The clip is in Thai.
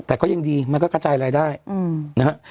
แต่ก็ยังดีมันก็กระจายรายได้นะฮะ